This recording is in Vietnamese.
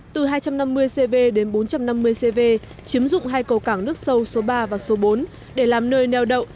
từ hai trăm năm mươi cv đến bốn trăm năm mươi cv chiếm dụng hai cầu cảng nước sâu số ba và số bốn để làm nơi neo đậu